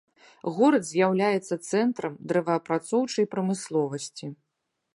Горад з'яўляецца цэнтрам дрэваапрацоўчай прамысловасці.